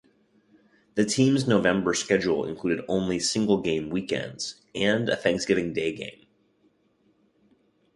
The team's November schedule included only single-game weekends, and a Thanksgiving Day game.